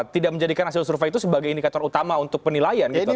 tidak menjadikan hasil survei itu sebagai indikator utama untuk penilaian gitu